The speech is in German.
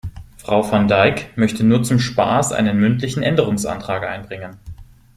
Frau Van Dijk möchte nur zum Spaß einen mündlichen Änderungsantrag einbringen.